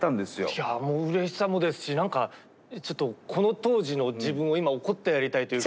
いやもううれしさもですし何かちょっとこの当時の自分を今怒ってやりたいというか。